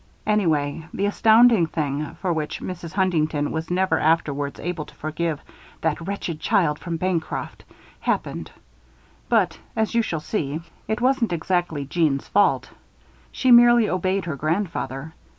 Anyway, the astounding thing, for which Mrs. Huntington was never afterwards able to forgive "that wretched child from Bancroft," happened; but, as you shall see, it wasn't exactly Jeanne's fault. She merely obeyed her grandfather.